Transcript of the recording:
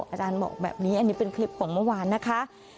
อาจารย์บอกแบบนี้อันนี้เป็นคลิปของเมื่อวานนะคะ